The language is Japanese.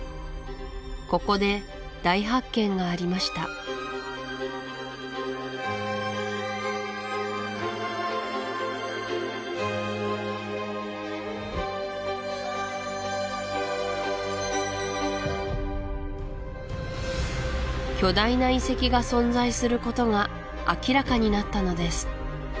ここで大発見がありました巨大な遺跡が存在することが明らかになったのです